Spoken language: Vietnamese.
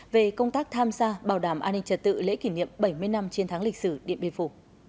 về công tác tham gia bảo đảm an ninh trật tự lễ kỷ niệm bảy mươi năm chiến thắng lịch sử điện biên phủ